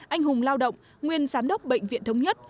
anh hùng lao động nguyên giám đốc bệnh viện thống nhất